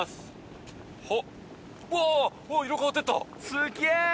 すげぇ！